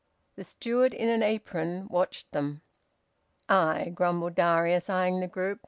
The steward in an apron watched them. "Aye!" grumbled Darius, eyeing the group.